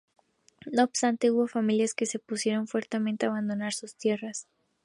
No obstante, hubo familias que se opusieron fuertemente a abandonar sus tierras.